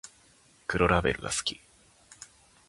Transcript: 黒ラベルが好き